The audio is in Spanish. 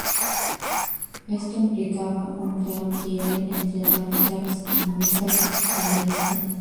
Esto implicaba un claro quiebre entre Radicales, Comunistas y Socialistas.